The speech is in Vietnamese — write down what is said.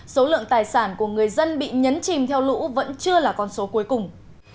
số lượng tài sản của người dân bị nhấn chìm theo lũ vẫn chưa là con số cuối cùng